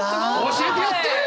教えてやって！